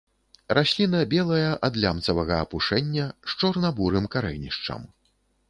Расліна белая ад лямцавага апушэння, з чорна-бурым карэнішчам.